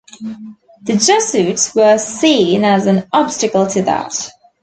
The Jesuits were seen as an obstacle to that.